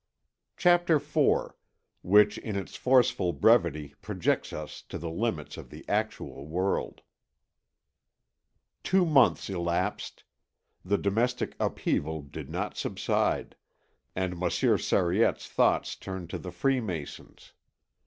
CHAPTER IV WHICH IN ITS FORCEFUL BREVITY PROJECTS US TO THE LIMITS OF THE ACTUAL WORLD Two months elapsed; the domestic upheaval did not subside, and Monsieur Sariette's thoughts turned to the Freemasons.